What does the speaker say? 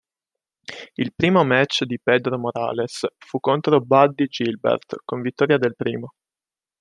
Il primo match di Pedro Morales fu contro Buddy Gilbert, con vittoria del primo.